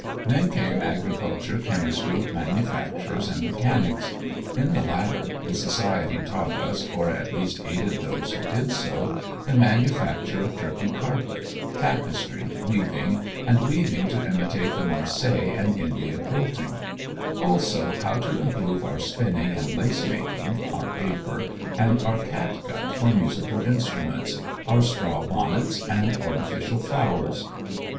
Then came agriculture, chemistry, manufactures, and mechanics. In the latter, the Society taught us, or at least aided those who did so, the manufacture of Turkey carpet, tapestry, weaving, and weaving to imitate the Marseilles and India quilting; also, how to improve our spinning and lace making, our paper, and our catgut for musical instruments, our straw bonnets, and artificial flowers.